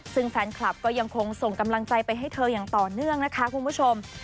ซึ่งแฟนคลับก็ยังคงส่งกำลังใจไปให้เธออย่างต่อเนื่องนะคะคุณผู้ชม